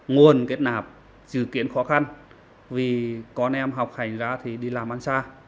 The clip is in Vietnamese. nguồn kết nạp dự kiến khó khăn vì con em học hành ra thì đi làm ăn xa